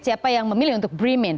siapa yang memilih untuk bremen